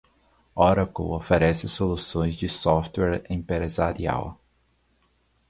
Oracle oferece soluções de software empresarial.